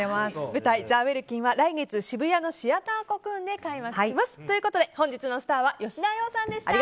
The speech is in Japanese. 舞台「ザ・ウェルキン」は渋谷のシアターコクーンで開幕します。ということで本日のスターは吉田羊さんでした。